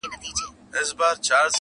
• موسم به راسي د ګل غونډیو -